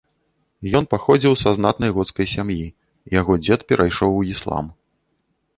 Ён паходзіў са знатнай гоцкай сям'і, яго дзед перайшоў у іслам.